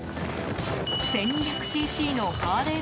１２００ｃｃのハーレー